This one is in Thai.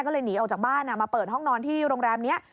ก็เลยหนีออกจากบ้านมาเปิดห้องนอนที่โรงแรมนี้